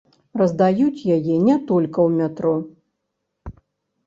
Раздаюць яе не толькі ў метро.